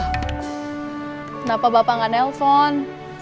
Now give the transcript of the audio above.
kenapa bapak gak nelpon